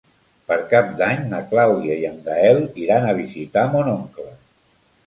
Per Cap d'Any na Clàudia i en Gaël iran a visitar mon oncle.